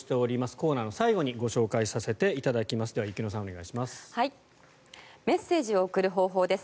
コーナーの最後にご紹介させていただきます。